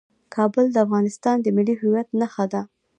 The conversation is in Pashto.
کابل د افغانستان د ملي هویت نښه ده.